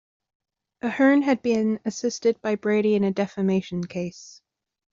Ahern had been assisted by Brady in a defamation case.